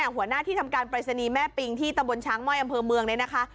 หัวหน้าที่ทำการปรายศนีย์แม่ปิงที่ตำบลช้างม่อยอำเภอเมืองเลยนะคะ